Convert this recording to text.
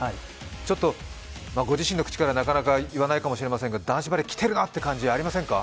ちょっとご自身の口からは、なかなか言わないかもしれませんが男子バレー、きてるなって感じ、ありませんか？